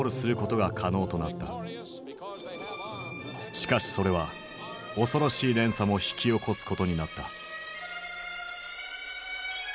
しかしそれは恐ろしい連鎖も引き起こすことになった。